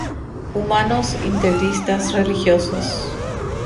Humanos integristas religiosos.